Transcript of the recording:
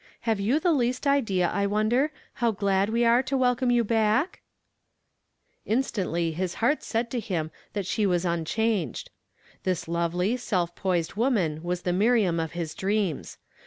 Have you tlie least idea, I wonder, how glad we are to wel come you back ?" Instantly his heart said to him that she was un changed. Tliis lovely, self poised woman was the jNliriam of his dreams.